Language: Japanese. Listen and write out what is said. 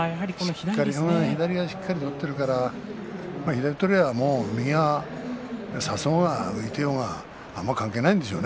左をしっかり取っているから左を取れば、もう右は差そうが浮いていようがあんまり関係ないんでしょうね